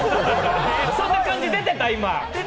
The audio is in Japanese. そんな感じでてた？